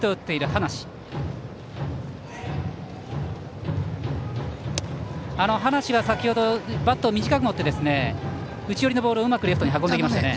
端無は先程、バットを短く持って内寄りのボールをうまくレフトに運びましたね。